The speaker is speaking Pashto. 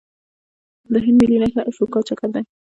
د هند ملي نښه اشوکا چکر دی.